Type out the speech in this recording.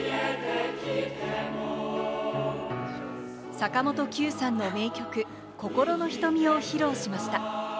坂本九さんの名曲、『心の瞳』を披露しました。